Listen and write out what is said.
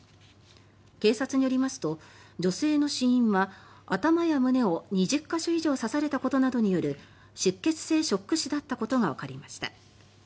警察によりますと女性の死因は頭や胸を２０か所以上刺されたことなどによる出血性ショック死だったことがわかりました。